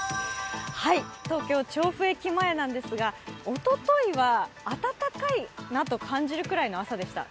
東京・調布駅前なんですが、おとといは暖かいなと感じるくらいの朝でした。